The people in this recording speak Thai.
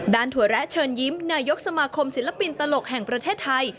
ถั่วแระเชิญยิ้มนายกสมาคมศิลปินตลกแห่งประเทศไทย